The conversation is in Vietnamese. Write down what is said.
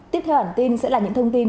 tiếp theo hẳn tin sẽ là những thông tin